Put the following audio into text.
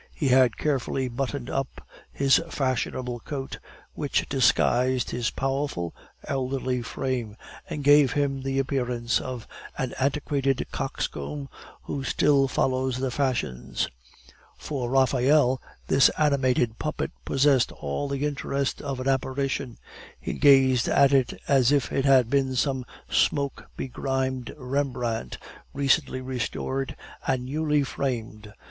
He had carefully buttoned up his fashionable coat, which disguised his powerful, elderly frame, and gave him the appearance of an antiquated coxcomb who still follows the fashions. For Raphael this animated puppet possessed all the interest of an apparition. He gazed at it as if it had been some smoke begrimed Rembrandt, recently restored and newly framed.